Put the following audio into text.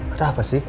ada apa sih